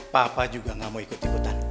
papa juga gak mau ikut ikutan